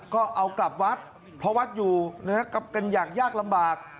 ก็เอากลับวัดเพราะวัดอยู่นะครับกันอย่างยากลำบาก